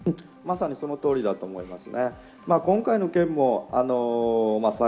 まさにその通りだと思います。